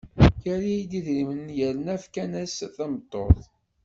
Yerra-d idrimen yerna fkan-as-d tameṭṭut.